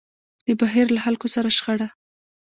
د بهير له خلکو سره شخړه.